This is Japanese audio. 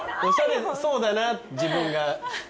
おしゃれそうだなって自分が。